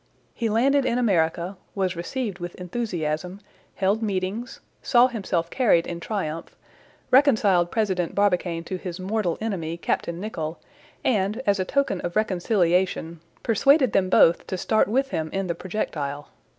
He landed in America, was received with enthusiasm, held meetings, saw himself carried in triumph, reconciled President Barbicane to his mortal enemy, Captain Nicholl, and, as a token of reconciliation, persuaded them both to start with him in the projectile.